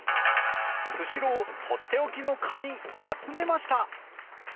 「スシローとっておきのかに、集めました！！」。